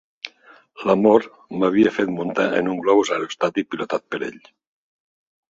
L'amor m'havia fet muntar en un globus aerostàtic pilotat per ell.